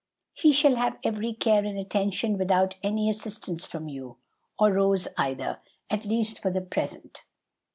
"He shall have every care and attention without any assistance from you; or Rose either; at least for the present."